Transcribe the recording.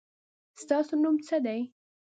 ستاسو نوم څه دی؟